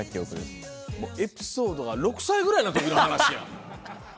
エピソードが６歳ぐらいの時の話やん。